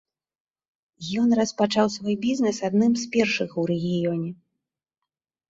Ён распачаў свой бізнес адным з першых у рэгіёне.